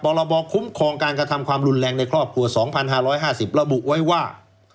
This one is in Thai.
รบคุ้มครองการกระทำความรุนแรงในครอบครัว๒๕๕๐ระบุไว้ว่า